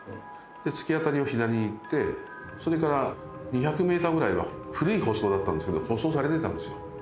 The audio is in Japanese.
突き当たりを左に行ってそれから２００ｍぐらいは古い舗装だったんですけど舗装されてたんですよ。